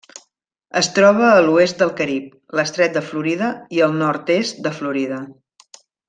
Es troba a l'oest del Carib, l'Estret de Florida i el nord-est de Florida.